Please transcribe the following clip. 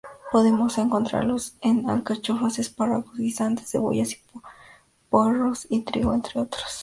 Podemos encontrarlos en alcachofas, espárragos, guisantes, cebollas, puerros y trigo, entre otros.